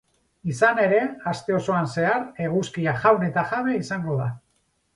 Izan ere, aste osoan zehar eguzkia jaun eta jabe izango da.